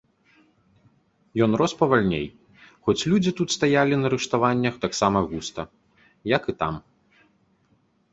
Ён рос павальней, хоць людзі тут стаялі на рыштаваннях таксама густа, як і там.